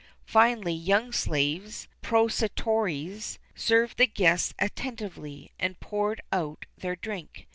Finally, young slaves (procillatores),[XXXIII 21] served the guests attentively, and poured out their drink.